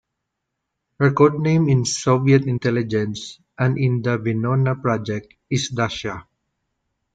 Her code name in Soviet intelligence and in the Venona project is "Dasha".